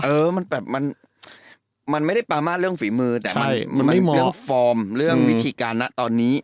เออมันแบบมันไม่ได้ปามาสเรื่องฝีมือแต่มันไม่มองเรื่องฟอร์มเรื่องวิธีการนะตอนนี้